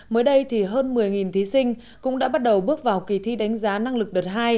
mới đây thì hơn một mươi thí sinh cũng đã bắt đầu bước vào kỳ thi đánh giá năng lực đợt hai